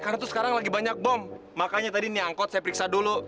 karena tuh sekarang lagi banyak bom makanya tadi nih angkot saya periksa dulu